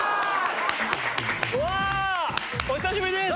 うわー！お久しぶりです。